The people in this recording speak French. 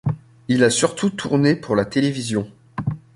Il a surtout tourné pour la télévision.